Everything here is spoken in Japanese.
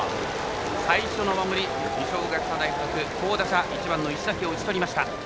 最初の守り、二松学舎大付属好打者１番の石崎を打ち取りました。